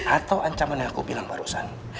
atau ancaman yang aku bilang barusan